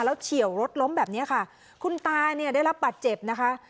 แล้วเฉียวรถล้มแบบนี้ค่ะคุณตาเนี่ยได้รับบาดเจ็บนะคะ